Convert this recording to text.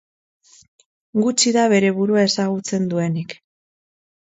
Gutxi da bere burua ezagutzen duenik